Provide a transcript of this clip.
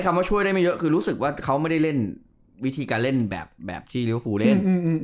ว่าช่วยได้ไม่เยอะคือรู้สึกว่าเขาไม่ได้เล่นวิธีการเล่นแบบที่ริวฟูเล่น